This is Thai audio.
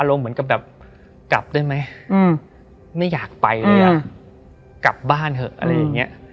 เหมือนกับแบบกลับได้ไหมไม่อยากไปเลยอ่ะกลับบ้านเถอะอะไรอย่างเงี้ย